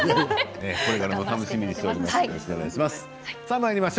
これからも楽しみにしています。